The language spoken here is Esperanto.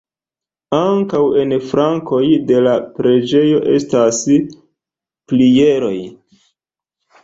Ankaŭ en flankoj de la preĝejo estas pilieroj.